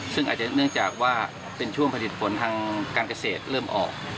ซึ่งอาจจะเนื่องจากว่าเป็นช่วงผลิตผลทางการเกษตรเริ่มออก